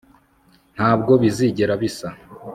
ntabwo bizigera bisa